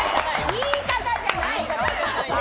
言い方じゃない。